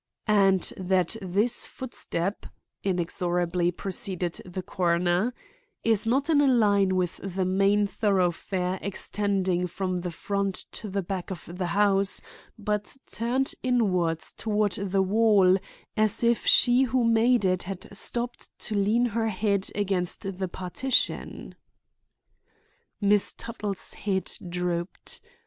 "And that this footstep," inexorably proceeded the coroner, "is not in a line with the main thoroughfare extending from the front to the back of the house, but turned inwards toward the wall as if she who made it had stopped to lean her head against the partition?" Miss Tuttle's head drooped.